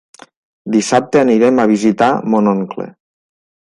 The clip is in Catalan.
Dissabte anirem a visitar mon oncle.